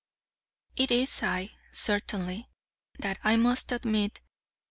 It is I, certainly: that I must admit.